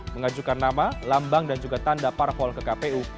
mengajukan nama lambang dan juga tanda parpol ke kpu